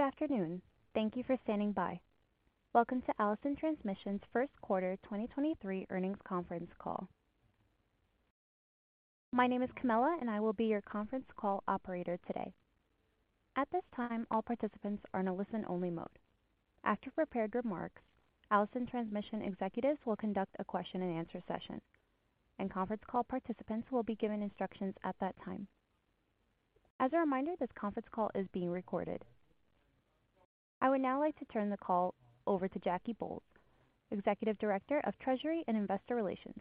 Good afternoon. Thank you for standing by. Welcome to Allison Transmission's first quarter 2023 earnings conference call. My name is Camilla, and I will be your conference call operator today. At this time, all participants are in a listen only mode. After prepared remarks, Allison Transmission executives will conduct a question and answer session, and conference call participants will be given instructions at that time. As a reminder, this conference call is being recorded. I would now like to turn the call over to Jackie Bolles, Executive Director of Treasury and Investor Relations.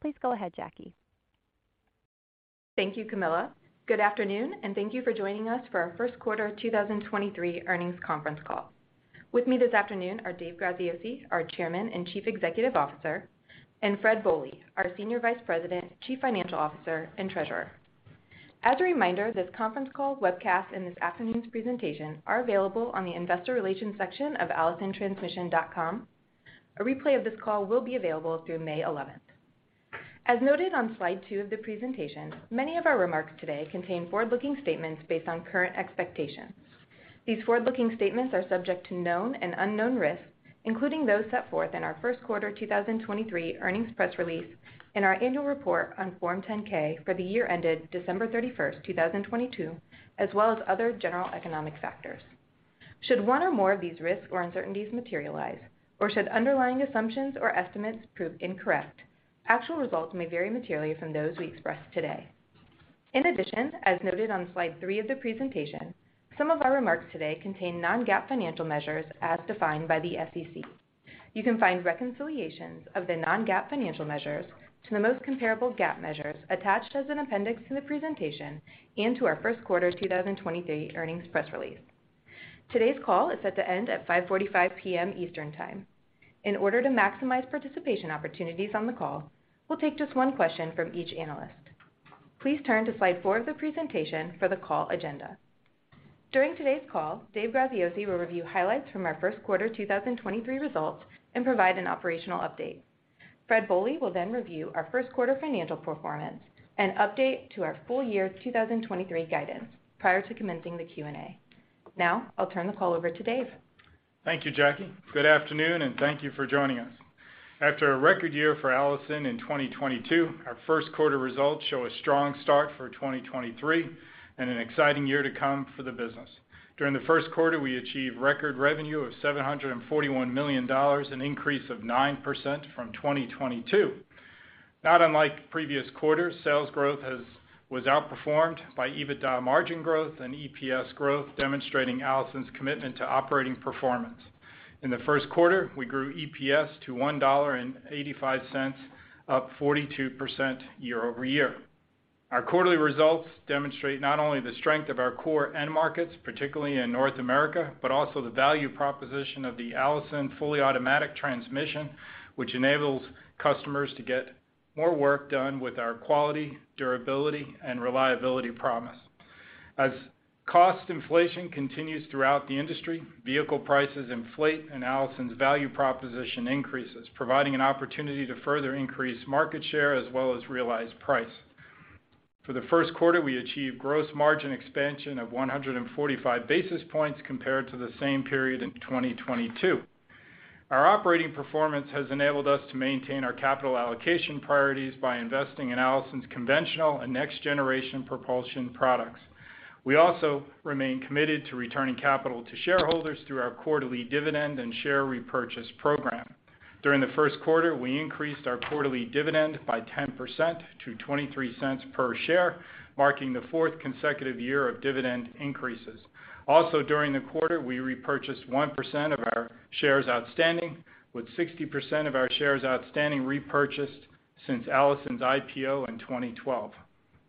Please go ahead, Jackie. Thank you, Camilla. Good afternoon, thank you for joining us for our first quarter 2023 earnings conference call. With me this afternoon are Dave Graziosi, our Chairman and Chief Executive Officer, Fred Bohley, our Senior Vice President, Chief Financial Officer, and Treasurer. As a reminder, this conference call webcast and this afternoon's presentation are available on the investor relations section of allisontransmission.com. A replay of this call will be available through May eleventh. As noted on slide 2 of the presentation, many of our remarks today contain forward-looking statements based on current expectations. These forward-looking statements are subject to known and unknown risks, including those set forth in our first quarter 2023 earnings press release and our annual report on Form 10-K for the year ended December 31st, 2022, as well as other general economic factors. Should one or more of these risks or uncertainties materialize, or should underlying assumptions or estimates prove incorrect, actual results may vary materially from those we express today. In addition, as noted on slide 3 of the presentation, some of our remarks today contain non-GAAP financial measures as defined by the SEC. You can find reconciliations of the non-GAAP financial measures to the most comparable GAAP measures attached as an appendix to the presentation and to our first quarter 2023 earnings press release. Today's call is set to end at 5:45 P.M. Eastern Time. In order to maximize participation opportunities on the call, we'll take just one question from each analyst. Please turn to slide 4 of the presentation for the call agenda. During today's call, Dave Graziosi will review highlights from our first quarter 2023 results and provide an operational update. Fred Bohley will review our first quarter financial performance and update to our full year 2023 guidance prior to commencing the Q&A. I'll turn the call over to Dave. Thank you, Jackie. Good afternoon, thank you for joining us. After a record year for Allison in 2022, our first quarter results show a strong start for 2023 and an exciting year to come for the business. During the first quarter, we achieved record revenue of $741 million, an increase of 9% from 2022. Not unlike previous quarters, sales growth was outperformed by EBITDA margin growth and EPS growth, demonstrating Allison's commitment to operating performance. In the first quarter, we grew EPS to $1.85, up 42% year-over-year. Our quarterly results demonstrate not only the strength of our core end markets, particularly in North America, but also the value proposition of the Allison fully automatic transmission, which enables customers to get more work done with our quality, durability, and reliability promise. As cost inflation continues throughout the industry, vehicle prices inflate and Allison's value proposition increases, providing an opportunity to further increase market share as well as realized price. For the first quarter, we achieved gross margin expansion of 145 basis points compared to the same period in 2022. Our operating performance has enabled us to maintain our capital allocation priorities by investing in Allison's conventional and next generation propulsion products. We also remain committed to returning capital to shareholders through our quarterly dividend and share repurchase program. During the first quarter, we increased our quarterly dividend by 10% to $0.23 per share, marking the fourth consecutive year of dividend increases. During the quarter, we repurchased 1% of our shares outstanding, with 60% of our shares outstanding repurchased since Allison's IPO in 2012.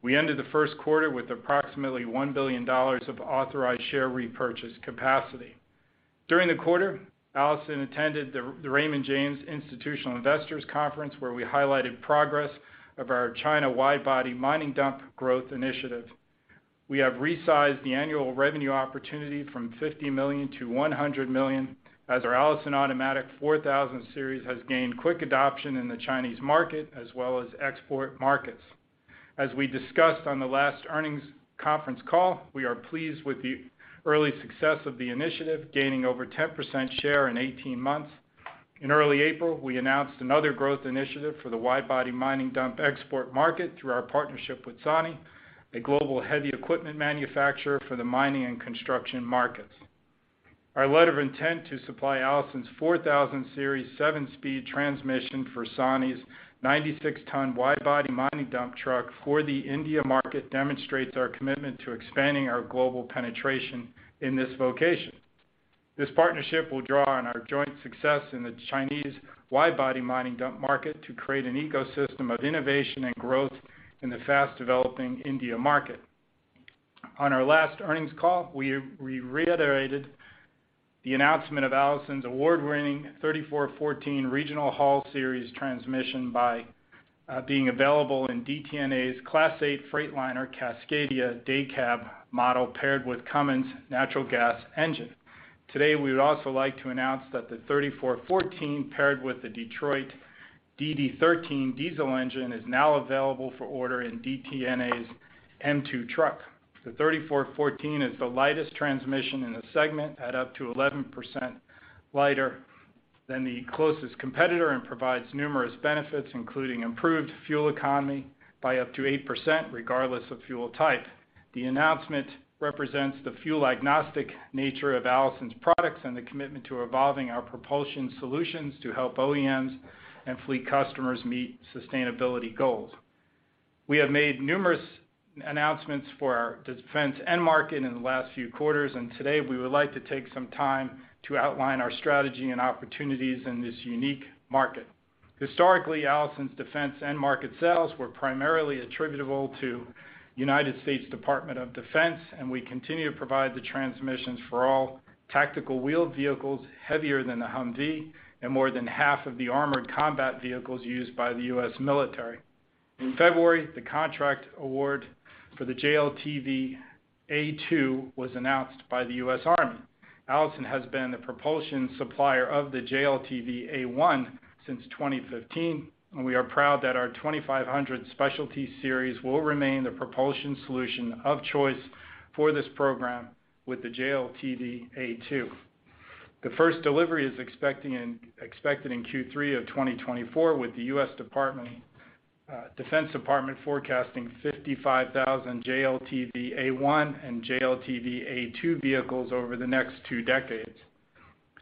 We ended the first quarter with approximately $1 billion of authorized share repurchase capacity. During the quarter, Allison attended the Raymond James Institutional Investors Conference, where we highlighted progress of our China wide-body mining dump growth initiative. We have resized the annual revenue opportunity from $50 million-$100 million as our Allison Automatic 4000 Series has gained quick adoption in the Chinese market as well as export markets. As we discussed on the last earnings conference call, we are pleased with the early success of the initiative, gaining over 10% share in 18 months. In early April, we announced another growth initiative for the wide-body mining dump export market through our partnership with SANY, a global heavy equipment manufacturer for the mining and construction markets. Our letter of intent to supply Allison's 4000 Series seven-speed transmission for SANY's 96-ton wide-body mining dump truck for the India market demonstrates our commitment to expanding our global penetration in this vocation. This partnership will draw on our joint success in the Chinese wide-body mining dump market to create an ecosystem of innovation and growth in the fast developing India market. On our last earnings call, we reiterated the announcement of Allison's award-winning 3414 Regional Haul Series transmission by being available in DTNA's Class 8 Freightliner Cascadia day cab model paired with Cummins natural gas engine. Today, we would also like to announce that the 3414 paired with the Detroit DD13 diesel engine is now available for order in DTNA's M2 truck. The 3414 is the lightest transmission in the segment at up to 11% lighter than the closest competitor and provides numerous benefits, including improved fuel economy by up to 8% regardless of fuel type. The announcement represents the fuel agnostic nature of Allison's products and the commitment to evolving our propulsion solutions to help OEMs and fleet customers meet sustainability goals. We have made numerous announcements for our defense end market in the last few quarters, and today we would like to take some time to outline our strategy and opportunities in this unique market. Historically, Allison's defense end market sales were primarily attributable to United States Department of Defense, and we continue to provide the transmissions for all tactical wheeled vehicles heavier than the Humvee and more than half of the armored combat vehicles used by the U.S. Military. In February, the contract award for the JLTV A2 was announced by the U.S. Army. Allison has been the propulsion supplier of the JLTV A1 since 2015, and we are proud that our 2500 Specialty Series will remain the propulsion solution of choice for this program with the JLTV A2. The first delivery is expected in Q3 of 2024, with the U.S. Department of Defense forecasting 55,000 JLTV A1 and JLTV A2 vehicles over the next two decades.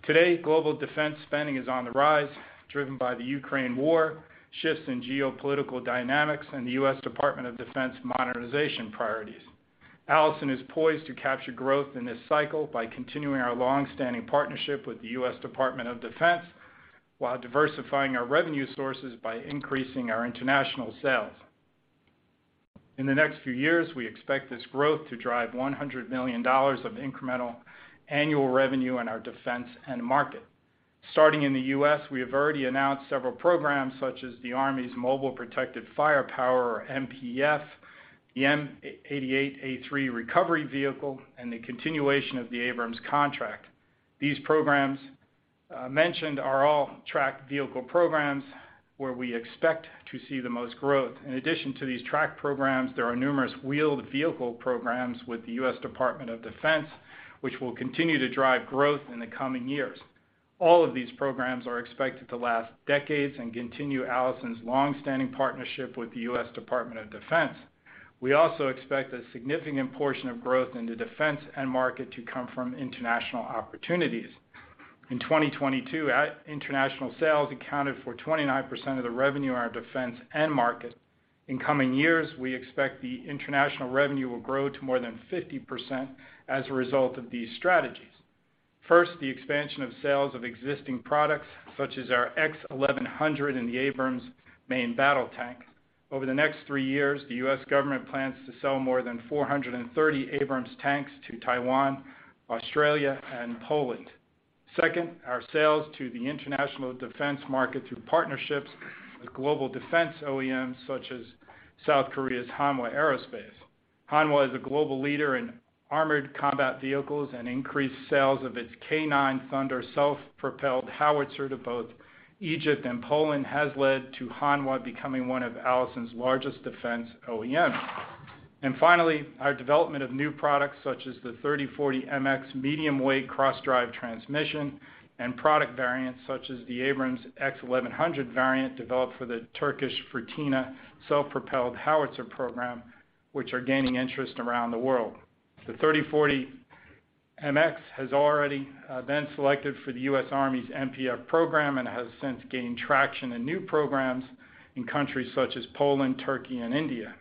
Today, global defense spending is on the rise, driven by the Ukraine war, shifts in geopolitical dynamics and the U.S. Department of Defense modernization priorities. Allison is poised to capture growth in this cycle by continuing our long-standing partnership with the U.S. Department of Defense while diversifying our revenue sources by increasing our international sales. In the next few years, we expect this growth to drive $100 million of incremental annual revenue in our defense end market. Starting in the U.S., we have already announced several programs such as the Army's Mobile Protected Firepower, MPF, the M88A3 Recovery Vehicle, and the continuation of the Abrams contract. These programs mentioned are all tracked vehicle programs where we expect to see the most growth. In addition to these tracked programs, there are numerous wheeled vehicle programs with the U.S. Department of Defense, which will continue to drive growth in the coming years. All of these programs are expected to last decades and continue Allison's long-standing partnership with the U.S. Department of Defense. We also expect a significant portion of growth in the defense end market to come from international opportunities. In 2022, international sales accounted for 29% of the revenue in our defense end market. In coming years, we expect the international revenue will grow to more than 50% as a result of these strategies. First, the expansion of sales of existing products such as our X1100 in the Abrams main battle tanks. Over the next three years, the U.S. government plans to sell more than 430 Abrams tanks to Taiwan, Australia and Poland. Second, our sales to the international defense market through partnerships with global defense OEMs such as South Korea's Hanwha Aerospace. Hanwha is a global leader in armored combat vehicles and increased sales of its K9 Thunder self-propelled howitzer to both Egypt and Poland has led to Hanwha becoming one of Allison's largest defense OEMs. Finally, our development of new products such as the 3040 MX medium weight cross drive transmission and product variants such as the Abrams X1100 variant developed for the Turkish Firtina self-propelled howitzer program, which are gaining interest around the world. The 3040 MX has already been selected for the US Army's MPF program and has since gained traction in new programs in countries such as Poland, Turkey and India.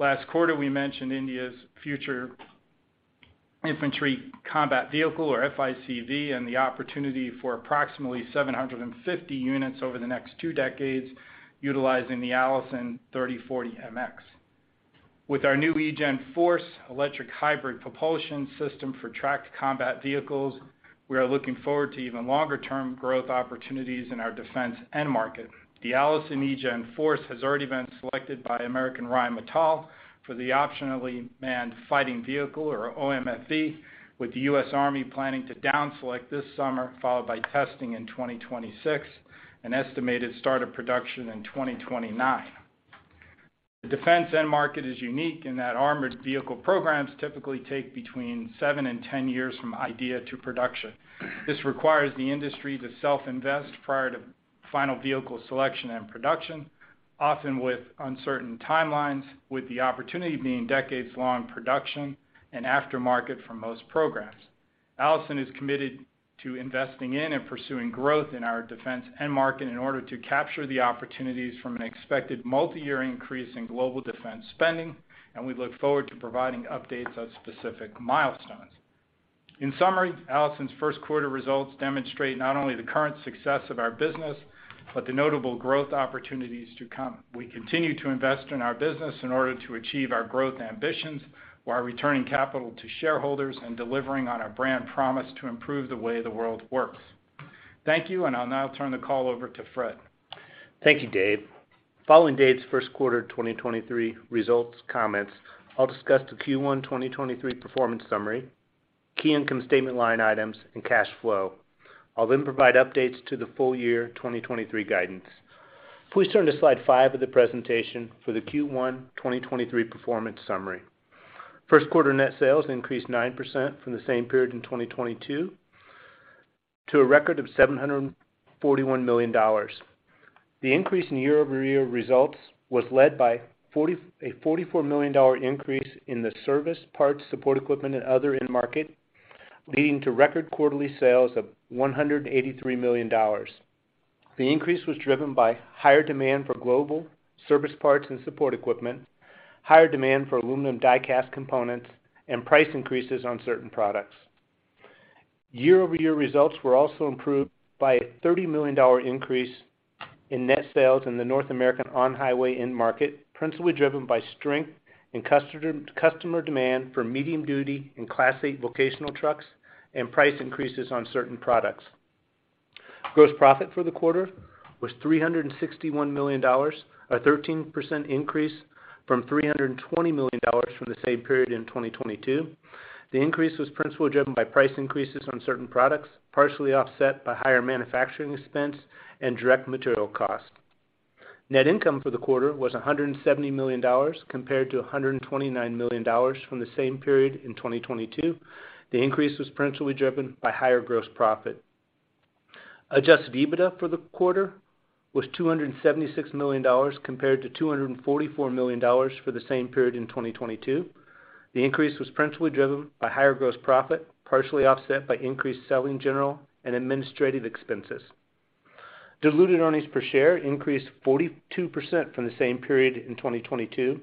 Last quarter, we mentioned India's Future Infantry Combat Vehicle or FICV, and the opportunity for approximately 750 units over the next 2 decades, utilizing the Allison 3040 MX. With our new eGen Force electric hybrid propulsion system for tracked combat vehicles, we are looking forward to even longer term growth opportunities in our defense end market. The Allison eGen Force has already been selected by American Rheinmetall for the Optionally Manned Fighting Vehicle or OMFV, with the US Army planning to down select this summer, followed by testing in 2026, an estimated start of production in 2029. The defense end market is unique in that armored vehicle programs typically take between 7 and 10 years from idea to production. This requires the industry to self-invest prior to final vehicle selection and production, often with uncertain timelines, with the opportunity being decades long production and aftermarket for most programs. Allison is committed to investing in and pursuing growth in our defense end market in order to capture the opportunities from an expected multi-year increase in global defense spending, and we look forward to providing updates on specific milestones. In summary, Allison's first quarter results demonstrate not only the current success of our business, but the notable growth opportunities to come. We continue to invest in our business in order to achieve our growth ambitions, while returning capital to shareholders and delivering on our brand promise to improve the way the world works. Thank you, and I'll now turn the call over to Fred. Thank you, Dave. Following Dave's first quarter 2023 results comments, I'll discuss the Q1 2023 performance summary, key income statement line items and cash flow. I'll provide updates to the full year 2023 guidance. Please turn to slide five of the presentation for the Q1 2023 performance summary. First quarter net sales increased 9% from the same period in 2022 to a record of $741 million. The increase in year-over-year results was led by a $44 million increase in the service, parts, support equipment and other end market, leading to record quarterly sales of $183 million. The increase was driven by higher demand for global service parts and support equipment, higher demand for aluminum die cast components, and price increases on certain products. Year-over-year results were also improved by a $30 million increase in net sales in the North American on-highway end market, principally driven by strength in customer demand for medium-duty and Class 8 vocational trucks and price increases on certain products. Gross profit for the quarter was $361 million, a 13% increase from $320 million from the same period in 2022. The increase was principally driven by price increases on certain products, partially offset by higher manufacturing expense and direct material cost. Net income for the quarter was $170 million, compared to $129 million from the same period in 2022. The increase was principally driven by higher gross profit. Adjusted EBITDA for the quarter was $276 million, compared to $244 million for the same period in 2022. The increase was principally driven by higher gross profit, partially offset by increased selling, general and administrative expenses. Diluted earnings per share increased 42% from the same period in 2022.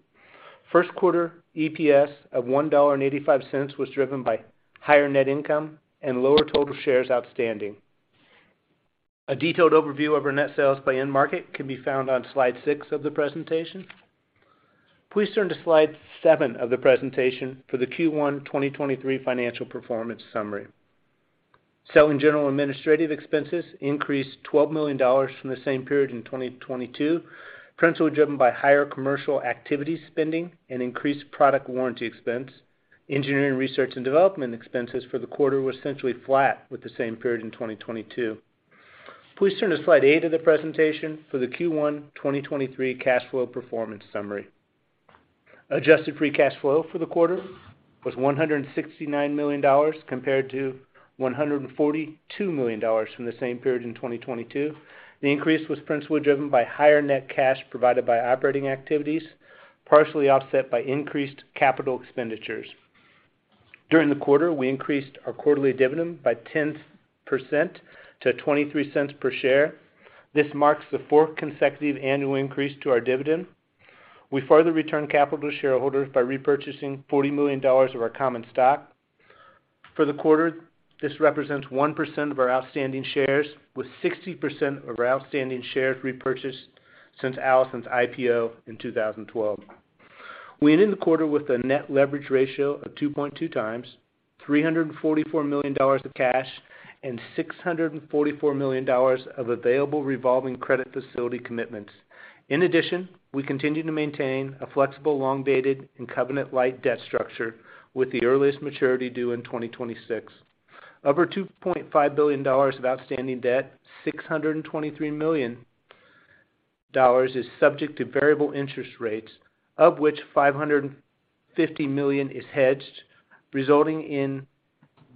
First quarter EPS of $1.85 was driven by higher net income and lower total shares outstanding. A detailed overview of our net sales by end market can be found on slide 6 of the presentation. Please turn to slide 7 of the presentation for the Q1 2023 financial performance summary. Selling, general and administrative expenses increased $12 million from the same period in 2022, principally driven by higher commercial activity spending and increased product warranty expense. Engineering, research and development expenses for the quarter were essentially flat with the same period in 2022. Please turn to slide 8 of the presentation for the Q1 2023 cash flow performance summary. Adjusted free cash flow for the quarter was $169 million, compared to $142 million from the same period in 2022. The increase was principally driven by higher net cash provided by operating activities, partially offset by increased capital expenditures. During the quarter, we increased our quarterly dividend by 10% to $0.23 per share. This marks the fourth consecutive annual increase to our dividend. We further returned capital to shareholders by repurchasing $40 million of our common stock. For the quarter, this represents 1% of our outstanding shares, with 60% of our outstanding shares repurchased since Allison's IPO in 2012. We ended the quarter with a net leverage ratio of 2.2 times, $344 million of cash, and $644 million of available revolving credit facility commitments. We continue to maintain a flexible, long-dated and covenant light debt structure with the earliest maturity due in 2026. Of our $2.5 billion of outstanding debt, $623 million is subject to variable interest rates, of which $550 million is hedged, resulting in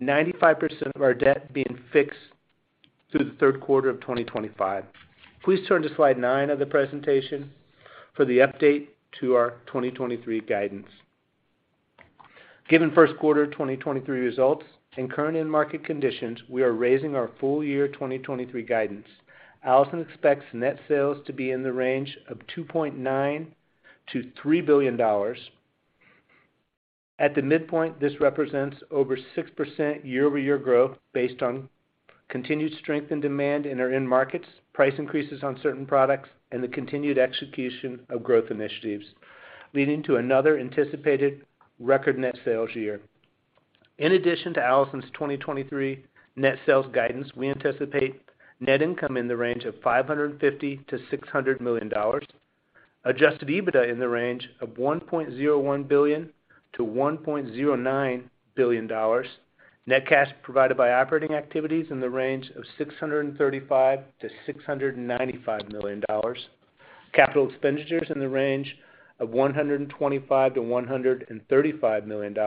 95% of our debt being fixed through the third quarter of 2025. Please turn to slide 9 of the presentation for the update to our 2023 guidance. Given first quarter 2023 results and current end market conditions, we are raising our full year 2023 guidance. Allison expects net sales to be in the range of $2.9 billion-$3 billion. At the midpoint, this represents over 6% year-over-year growth based on continued strength in demand in our end markets, price increases on certain products, and the continued execution of growth initiatives, leading to another anticipated record net sales year. In addition to Allison's 2023 net sales guidance, we anticipate net income in the range of $550 million-$600 million. Adjusted EBITDA in the range of $1.01 billion-$1.09 billion. Net cash provided by operating activities in the range of $635 million-$695 million. Capital expenditures in the range of $125 million-$135 million.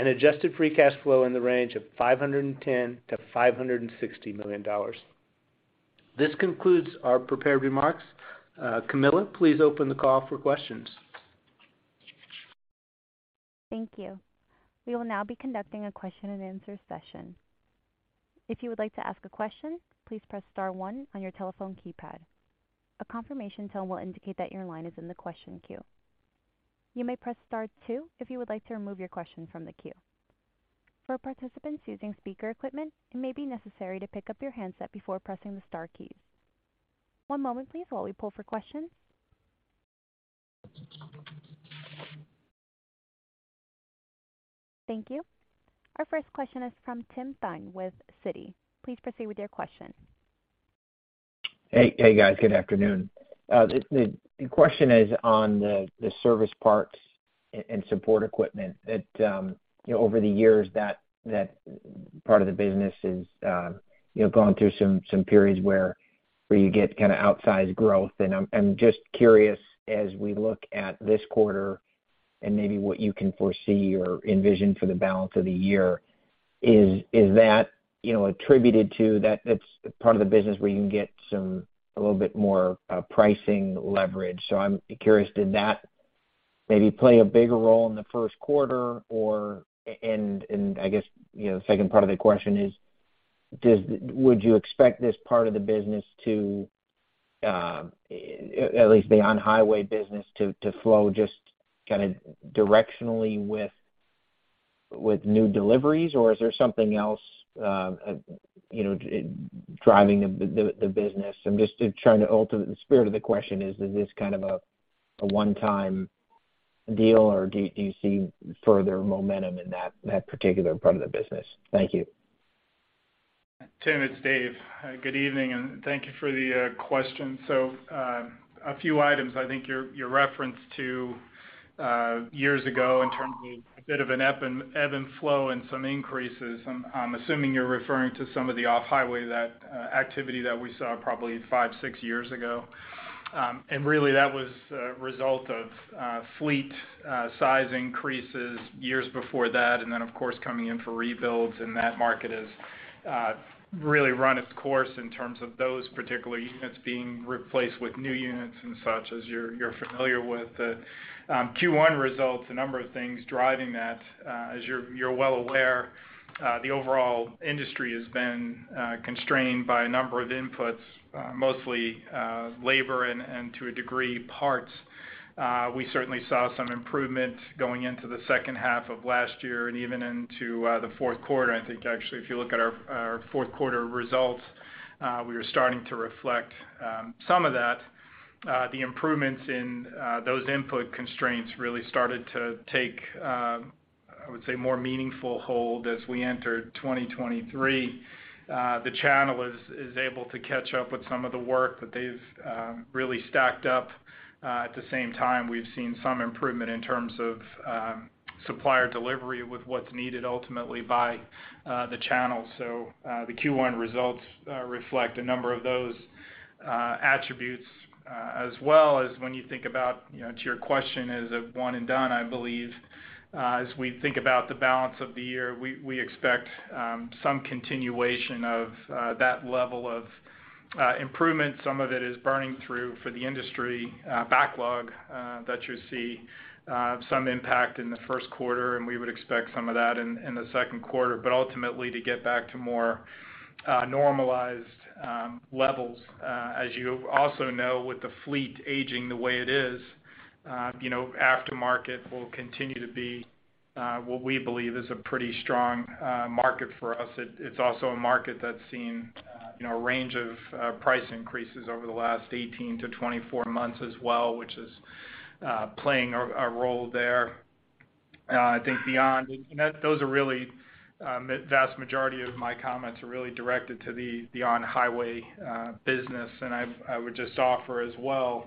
Adjusted free cash flow in the range of $510 million-$560 million. This concludes our prepared remarks. Camilla, please open the call for questions. Thank you. We will now be conducting a question and answer session. If you would like to ask a question, please press star one on your telephone keypad. A confirmation tone will indicate that your line is in the question queue. You may press star two if you would like to remove your question from the queue. For participants using speaker equipment, it may be necessary to pick up your handset before pressing the star keys. One moment please while we pull for questions. Thank you. Our first question is from Tim Thein with Citi. Please proceed with your question. Hey guys, good afternoon. The question is on the service parts and support equipment that, over the years that part of the business is, you know, gone through some periods where Where you get kind of outsized growth. I'm just curious, as we look at this quarter and maybe what you can foresee or envision for the balance of the year is that, you know, attributed to that's part of the business where you can get some a little bit more pricing leverage. I'm curious, did that maybe play a bigger role in the first quarter? And I guess, you know, the second part of the question is, would you expect this part of the business to, at least the on-highway business to flow just kinda directionally with new deliveries? Is there something else, you know, driving the business? I'm just trying to the spirit of the question is this kind of a one-time deal, or do you see further momentum in that particular part of the business? Thank you. Tim, it's Dave. Hi, good evening, and thank you for the question. A few items. I think your reference to years ago in terms of a bit of an ebb and flow and some increases, I'm assuming you're referring to some of the off-highway activity that we saw probably 5, 6 years ago. Really that was a result of fleet size increases years before that, and then of course, coming in for rebuilds, and that market has really run its course in terms of those particular units being replaced with new units and such, as you're familiar with. The Q1 results, a number of things driving that. re, the overall industry has been constrained by a number of inputs, mostly labor and to a degree, parts. We certainly saw some improvement going into the second half of last year and even into the fourth quarter. I think actually, if you look at our fourth quarter results, we were starting to reflect some of that. The improvements in those input constraints really started to take, I would say, more meaningful hold as we entered 2023. The channel is able to catch up with some of the work that they've really stacked up. At the same time, we've seen some improvement in terms of supplier delivery with what's needed ultimately by the channel The Q1 results reflect a number of those attributes as well as when you think about, you know, to your question, is it one and done? I believe, as we think about the balance of the year, we expect some continuation of that level of improvement. Some of it is burning through for the industry backlog that you see some impact in the first quarter, we would expect some of that in the second quarter. Ultimately, to get back to more normalized levels. As you also know, with the fleet aging the way it is, you know, aftermarket will continue to be what we believe is a pretty strong market for us. It's also a market that's seen, you know, a range of price increases over the last 18 to 24 months as well, which is playing a role there. Those are really, vast majority of my comments are really directed to the on-highway business. I would just offer as well,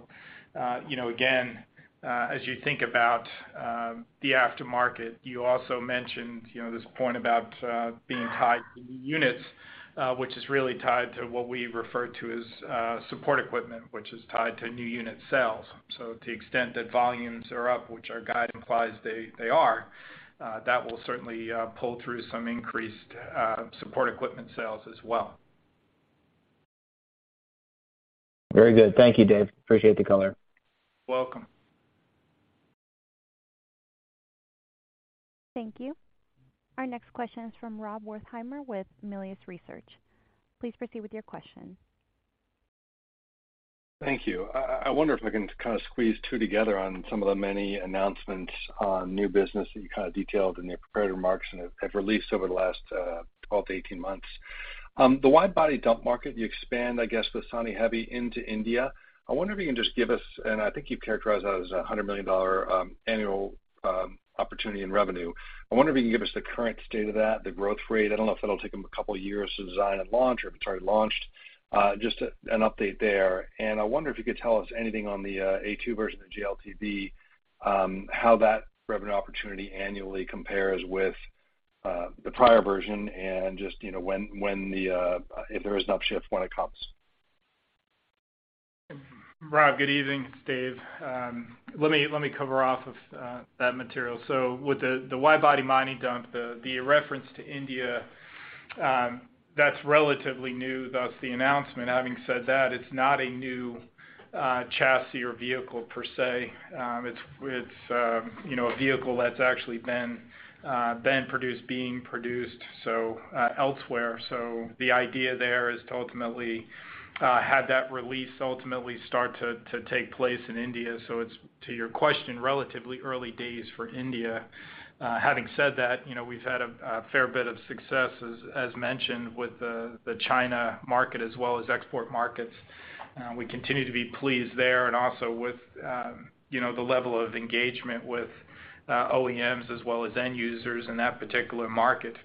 you know, again, as you think about the aftermarket, you also mentioned, you know, this point about being tied to new units, which is really tied to what we refer to as support equipment, which is tied to new unit sales. To the extent that volumes are up, which our guide implies they are, that will certainly pull through some increased support equipment sales as well. Very good. Thank you, Dave. Appreciate the color. Welcome. Thank you. Our next question is from Rob Wertheimer with Melius Research. Please proceed with your question. Thank you. I wonder if I can kinda squeeze two together on some of the many announcements on new business that you kinda detailed in your prepared remarks and have released over the last 12 to 18 months. The wide-body dump market, you expand, I guess, with SANY into India. I wonder if you can just give us, and I think you've characterized that as a $100 million annual opportunity in revenue. I wonder if you can give us the current state of that, the growth rate. I don't know if that'll take them a couple of years to design and launch, or if it's already launched. Just an update there. I wonder if you could tell us anything on the A2 version of the JLTV, how that revenue opportunity annually compares with the prior version, and just, you know, when the, if there is an upshift, when it comes? Rob, good evening. It's Dave. let me cover off that material. With the wide-body mining dump, the reference to India, that's relatively new, thus the announcement. Having said that, it's not a new chassis or vehicle per se. It's, you know, a vehicle that's actually been produced elsewhere. The idea there is to ultimately have that release ultimately start to take place in India. It's, to your question, relatively early days for India. Having said that, you know, we've had a fair bit of success as mentioned with the China market as well as export mar We continue to be pleased there and also with, you know, the level of engagement with OEMs as well as end users in that particular market.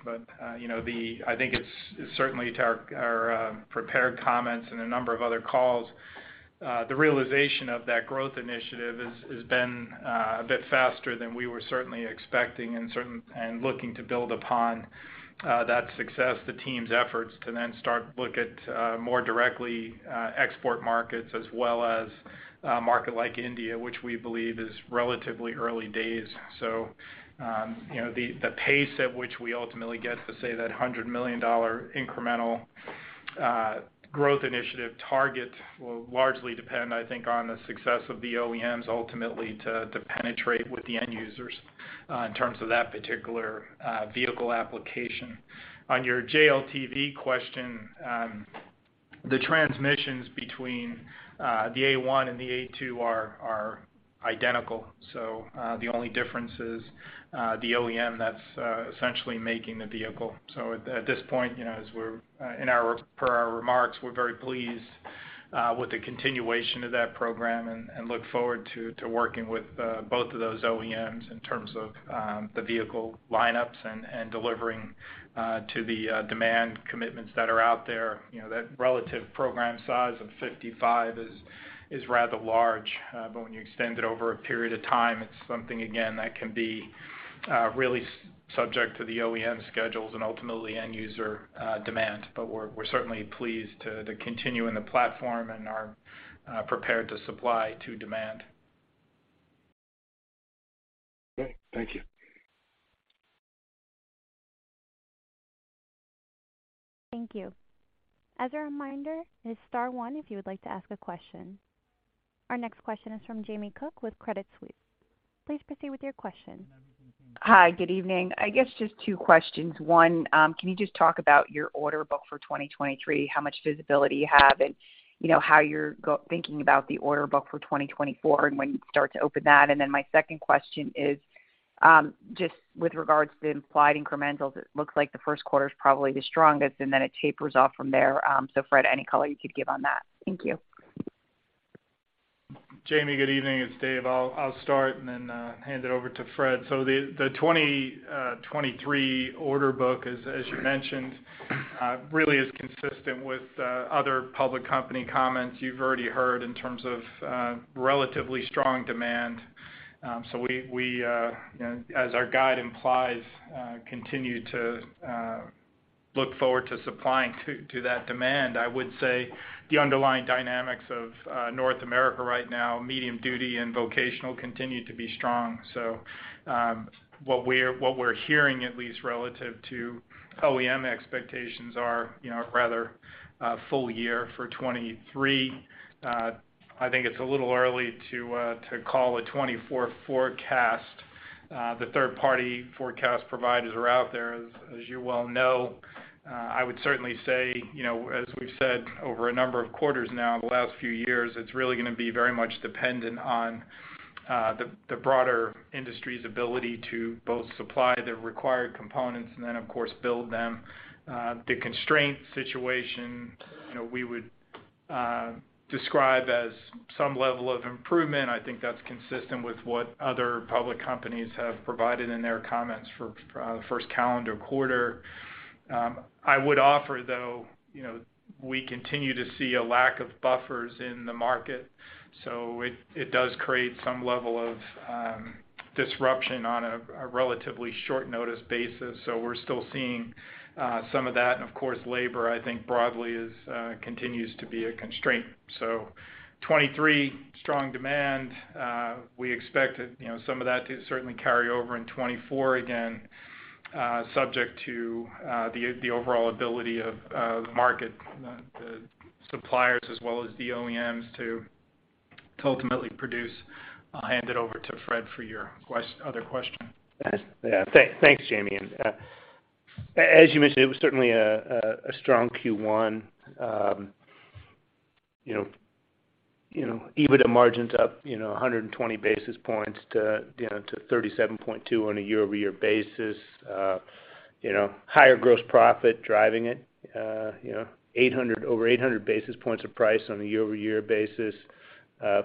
You know, I think it's certainly to our prepared comments in a number of other calls. The realization of that growth initiative has been a bit faster than we were certainly expecting and looking to build upon, that success, the team's efforts to then start look at, more directly, export markets as well as a market like India, which we believe is relatively early days. You know, the pace at which we ultimately get to say that $100 million incremental growth initiative target will largely depend, I think, on the success of the OEMs ultimately to penetrate with the end users in terms of that particular vehicle application. On your JLTV question, the transmissions between the A1 and the A2 are identical. The only difference is the OEM that's essentially making the vehicle. At this point, you know, per our remarks, we're very pleased with the continuation of that program and look forward to working with both of those OEMs in terms of the vehicle lineups and delivering to the demand commitments that are out there. You know, that relative program size of 55 is rather large. When you extend it over a period of time, it's something, again, that can be really subject to the OEM schedules and ultimately end user demand. We're certainly pleased to continue in the platform and are prepared to supply to demand. Okay. Thank you. Thank you. As a reminder, it is star one if you would like to ask a question. Our next question is from Jamie Cook with Credit Suisse. Please proceed with your question. Hi, good evening. I guess just two questions. One, can you just talk about your order book for 2023? How much visibility you have, and you know, how you're thinking about the order book for 2024, and when you start to open that? Then my second question is, just with regards to the implied incrementals, it looks like the first quarter is probably the strongest, and then it tapers off from there. Fred, any color you could give on that? Thank you. Jamie, good evening, it's Dave. I'll start and then hand it over to Fred. The 2023 order book, as you mentioned, really is consistent with other public company comments you've already heard in terms of relatively strong demand. We, you know, as our guide implies, continue to look forward to supplying to that demand. I would say the underlying dynamics of North America right now, medium duty and vocational, continue to be strong. What we're hearing at least relative to OEM expectations are, you know, rather full year for 2023. I think it's a little early to call a 2024 forecast. The third party forecast providers are out there, as you well know. I would certainly say, you know, as we've said over a number of quarters now the last few years, it's really gonna be very much dependent on the broader industry's ability to both supply the required components and then of course build them. The constraint situation, you know, we would describe as some level of improvement. I think that's consistent with what other public companies have provided in their comments for the first calendar quarter. I would offer though, you know, we continue to see a lack of buffers in the market, so it does create some level of disruption on a relatively short notice basis. We're still seeing some of that. Of course, labor, I think, broadly continues to be a constraint. 23, strong demand. We expect it, you know, some of that to certainly carry over in 2024, again, subject to, the overall ability of the market, the suppliers as well as the OEMs to ultimately produce. I'll hand it over to Fred for your other question. Yes. Thanks, Jamie. As you mentioned, it was certainly a strong Q1. You know, EBITDA margins up, you know, 120 basis points to, you know, 37.2 on a year-over-year basis. You know, higher gross profit driving it, you know, over 800 basis points of price on a year-over-year basis.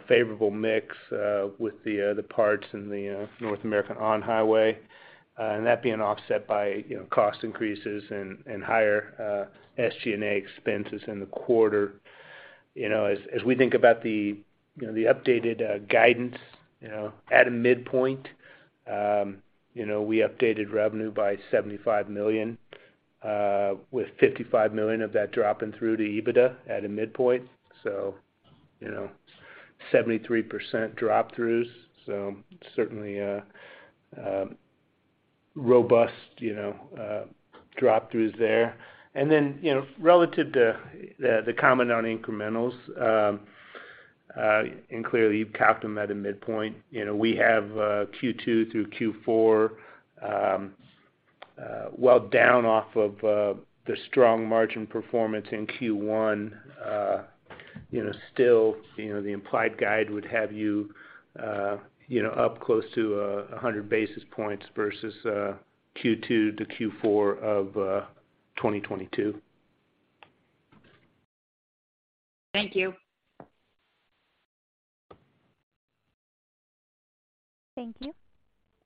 Favorable mix with the parts in the North American on-highway. That being offset by, you know, cost increases and higher SG&A expenses in the quarter. You know, as we think about the, you know, the updated guidance, you know, at a midpoint, you know, we updated revenue by $75 million with $55 million of that dropping through to EBITDA at a midpoint. You know, 73% drop-throughs, so certainly, robust, you know, drop-throughs there. You know, relative to the comment on incrementals, and clearly you've capped them at a midpoint. You know, we have Q2 through Q4, well down off of the strong margin performance in Q1. You know, still, you know, the implied guide would have you know, up close to 100 basis points versus Q2 to Q4 of 2022. Thank you. Thank you.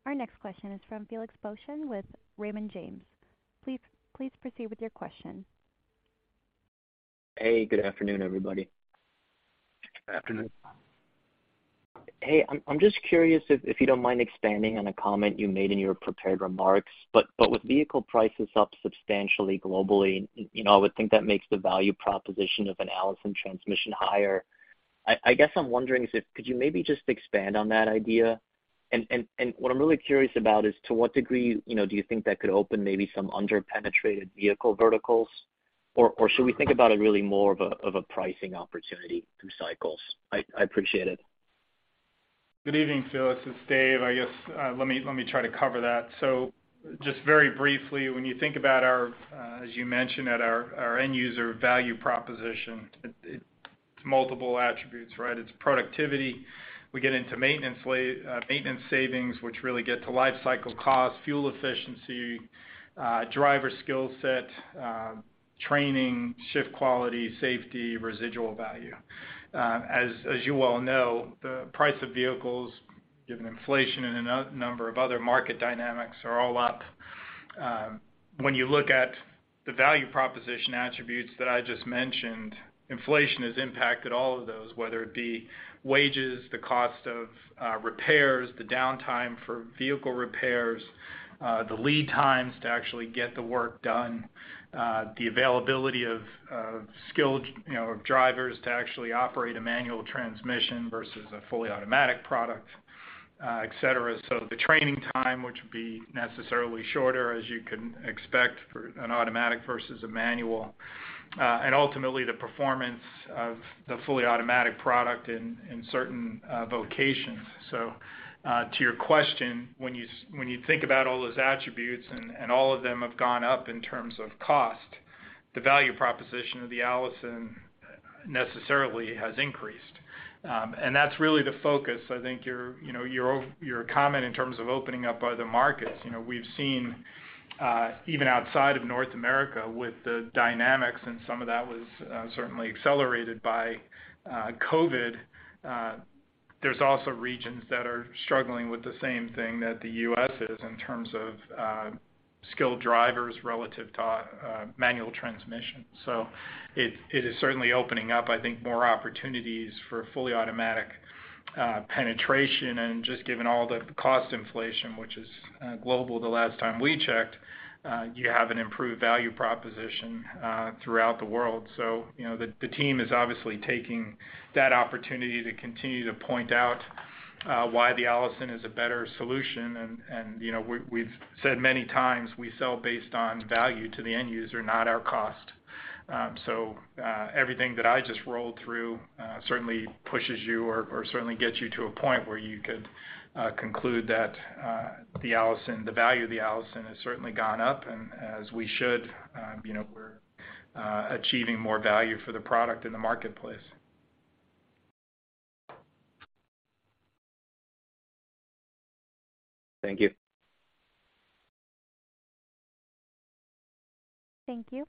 Our next question is from Felix Boeschen with Raymond James. Please proceed with your question. Hey, good afternoon, everybody. Good afternoon. Hey, I'm just curious if you don't mind expanding on a comment you made in your prepared remarks. With vehicle prices up substantially globally, you know, I would think that makes the value proposition of an Allison Transmission higher. I guess I'm wondering is if could you maybe just expand on that idea? What I'm really curious about is to what degree, you know, do you think that could open maybe some under-penetrated vehicle verticals? Should we think about it really more of a, of a pricing opportunity through cycles? I appreciate it. Good evening, Felix, it's Dave. I guess, let me try to cover that. Just very briefly, when you think about our, as you mentioned, at our end user value proposition, it's multiple attributes, right? It's productivity. We get into maintenance savings, which really get to lifecycle cost, fuel efficiency, driver skill set, training, shift quality, safety, residual value. As you well know, the price of vehicles, given inflation and a number of other market dynamics are all up. When you look at the value proposition attributes that I just mentioned, inflation has impacted all of those, whether it be wages, the cost of repairs, the downtime for vehicle repairs, the lead times to actually get the work done, the availability of skilled, you know, drivers to actually operate a manual transmission versus a fully automatic product, et cetera. The training time, which would be necessarily shorter as you can expect for an automatic versus a manual, and ultimately the performance of the fully automatic product in certain vocations. To your question, when you think about all those attributes and all of them have gone up in terms of cost, the value proposition of the Allison necessarily has increased. And that's really the focus. I think your, you know, your comment in terms of opening up other markets, you know, we've seen, even outside of North America with the dynamics and some of that was certainly accelerated by COVID. There's also regions that are struggling with the same thing that the U.S. is in terms of skilled drivers relative to manual transmission. It, it is certainly opening up, I think, more opportunities for fully automatic penetration. Just given all the cost inflation, which is global the last time we checked, you have an improved value proposition throughout the world. You know, the team is obviously taking that opportunity to continue to point out why the Allison is a better solution. said many times we sell based on value to the end user, not our cost. So, everything that I just rolled through certainly pushes you or certainly gets you to a point where you could conclude that the Allison, the value of the Allison has certainly gone up. As we should, you know, we're achieving more value for the product in the marketplace. Thank you. Thank you.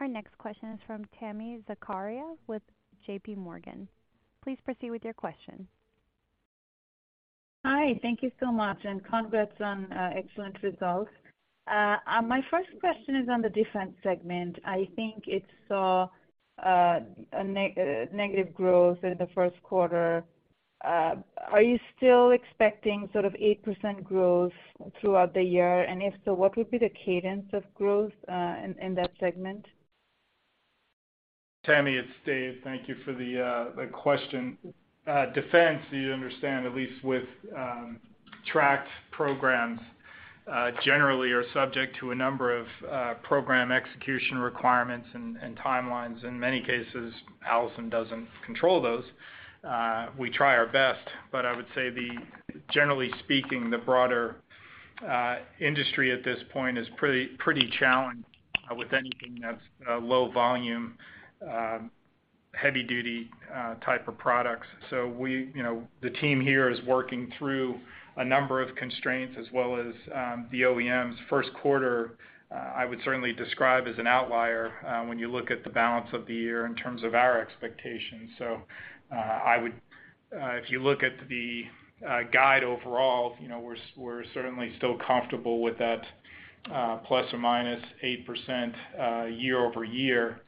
Our next question is from Tami Zakaria with J.P. Morgan. Please proceed with your question. Hi. Thank you so much, and congrats on excellent results. My first question is on the defense segment. I think it saw negative growth in the first quarter. Are you still expecting sort of 8% growth throughout the year? If so, what would be the cadence of growth in that segment? Tami, it's Dave. Thank you for the question. Defense, you understand, at least with tracked programs, generally are subject to a number of program execution requirements and timelines. In many cases, Allison doesn't control those. We try our best, but I would say generally speaking, the broader industry at this point is pretty challenged with anything that's low volume, heavy duty, type of products. We, you know, the team here is working through a number of constraints as well as the OEMs. First quarter, I would certainly describe as an outlier when you look at the balance of the year in terms of our expectations. If you look at the guide overall, you know, we're certainly still comfortable with that ±8% year-over-year.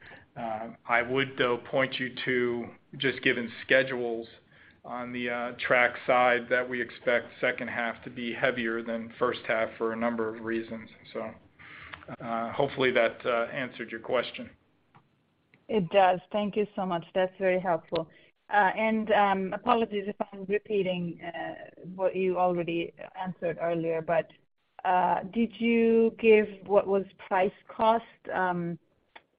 I would, though, point you to just given schedules on the track side, that we expect second half to be heavier than first half for a number of reasons. Hopefully that answered your question. It does. Thank you so much. That's very helpful. Apologies if I'm repeating, what you already answered earlier, but, did you give what was price cost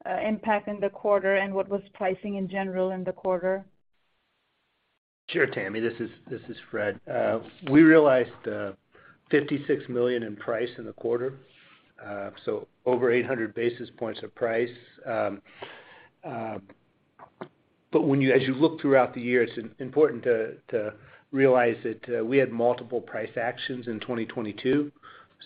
impact in the quarter, and what was pricing in general in the quarter? Sure, Tammy. This is Fred. We realized $56 million in price in the quarter, so over 800 basis points of price. When you look throughout the year, it's important to realize that we had multiple price actions in 2022.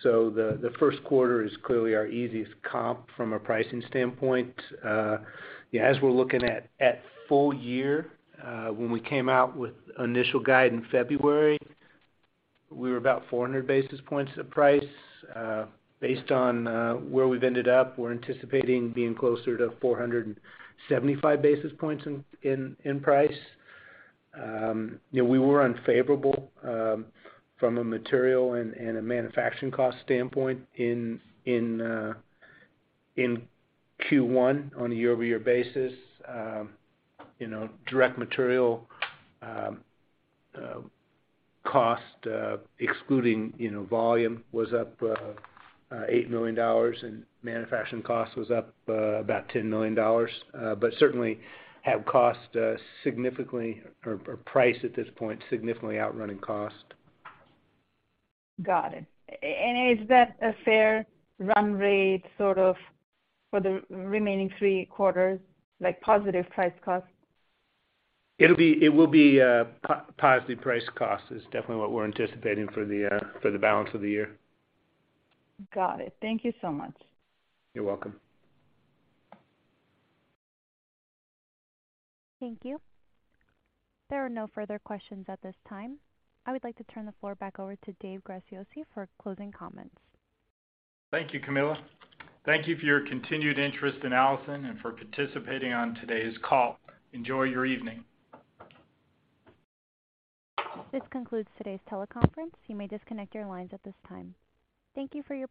The first quarter is clearly our easiest comp from a pricing standpoint. As we're looking at full year, when we came out with initial guide in February, we were about 400 basis points of price. Based on where we've ended up, we're anticipating being closer to 475 basis points in price. You know, we were unfavorable from a material and a manufacturing cost standpoint in Q1 on a year-over-year basis. Direct material cost excluding volume was up $8 million and manufacturing cost was up about $10 million. Certainly have cost significantly or price at this point significantly outrunning cost. Got it. Is that a fair run rate sort of for the remaining 3 quarters, like positive price cost? It will be positive price cost is definitely what we're anticipating for the balance of the year. Got it. Thank you so much. You're welcome. Thank you. There are no further questions at this time. I would like to turn the floor back over to Dave Graziosi for closing comments. Thank you, Camilla. Thank you for your continued interest in Allison and for participating on today's call. Enjoy your evening. This concludes today's teleconference. You may disconnect your lines at this time. Thank you for your...